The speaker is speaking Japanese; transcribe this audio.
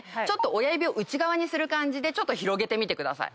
親指を内側にする感じでちょっと広げてみてください。